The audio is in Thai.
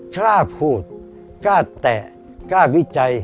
กล้าพูดกล้าแตะกล้าวิจัย